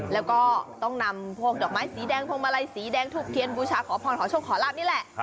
แล้วก็ต้องนำพวกดอกไม้สีแดงพวงมาลัยสีแดงถูกเทียนบูชาขอพรขอโชคขอลาบนี่แหละ